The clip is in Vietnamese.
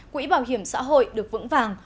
quỹ bảo hiểm xã hội được vững vàng